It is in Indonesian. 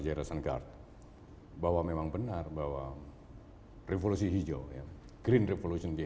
dengan perusahaan finansial di seluruh negara